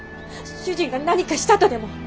主人が何かしたとでも？